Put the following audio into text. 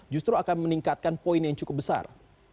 justru akan meningkatkan poin yang cukup besar